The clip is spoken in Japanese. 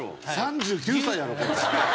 ３９歳やろこれ。